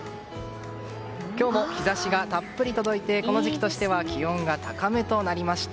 今日も日差しがたっぷり届いてこの時期としては気温が高めとなりました。